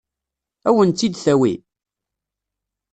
Ad wen-tt-id-tawi?